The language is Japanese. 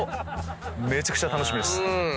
めちゃくちゃ楽しみです。